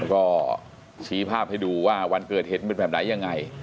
ก็ชี้ภาพให้ดูว่าวันเกิดเหตุเป็นแบบไหนยังไง